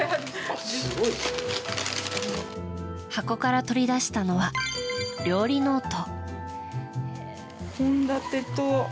箱から取り出したのは料理ノート。